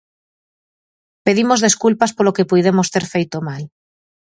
Pedimos desculpas polo que puidemos ter feito mal.